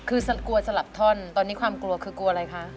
คือกลัวสลับท่อนตอนนี้ความกลัวคือกลัวอะไรคะ